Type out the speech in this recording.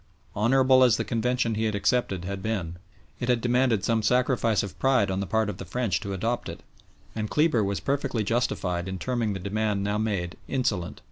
Honourable as the convention he had accepted had been, it had demanded some sacrifice of pride on the part of the French to adopt it, and Kleber was perfectly justified in terming the demand now made "insolent."